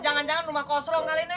jangan jangan rumah koslong kali ini